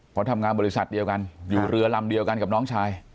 เพราะทำงานบริษัทเดียวกันอยู่เรือลำเดียวกันกับน้องชาย